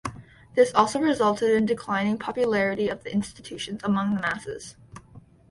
This also resulted in declining popularity of this institutions among the masses.